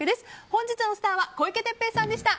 本日のスターは小池徹平さんでした。